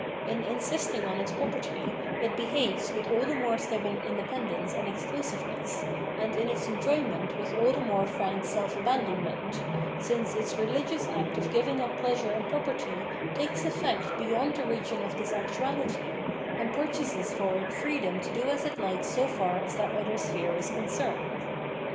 In in sisting on its property, it behaves with aU the more stubborn iudependence and exclusiveness, and iu its enjoyment with all the more frank self abandonment, since its rehgious act of giving up pleasure and property takes efiect beyond the region of this actuahty, and purchases for it freedom to do as it likes so far as that other sphere is concerned.